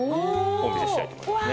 お見せしたいと思いますね。